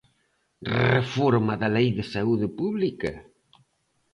¿Reforma da Lei de saúde pública?